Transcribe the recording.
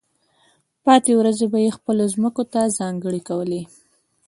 پاتې ورځې به یې خپلو ځمکو ته ځانګړې کولې.